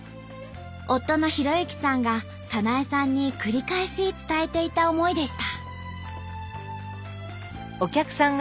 夫の弘之さんが早苗さんに繰り返し伝えていた思いでした。